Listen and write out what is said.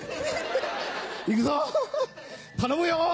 行くぞ頼むよ！